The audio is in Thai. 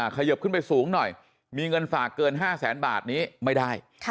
เขยิบขึ้นไปสูงหน่อยมีเงินฝากเกิน๕แสนบาทนี้ไม่ได้